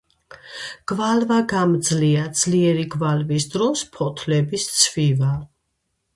გვალვაგამძლეა; ძლიერი გვალვის დროს ფოთლები სცვივა.